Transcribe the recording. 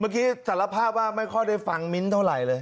สารภาพว่าไม่ค่อยได้ฟังมิ้นท์เท่าไหร่เลย